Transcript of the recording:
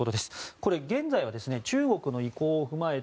これは現在は中国の意向を踏まえて